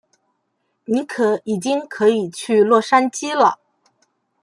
尼可已经可以去洛杉矶了。